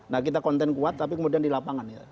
nah kita konten kuat tapi kemudian di lapangan ya